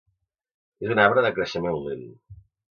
És un arbre de creixement lent.